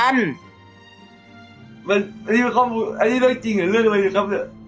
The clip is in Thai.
อันนี้เรื่องจริงหรือเรื่องอะไรครับ